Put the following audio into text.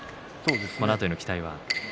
このあとへの期待は？